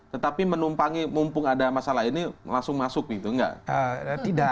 tetapi menumpangi mumpung ada masalah ini langsung masuk gitu